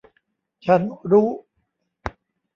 ฉันรู้ !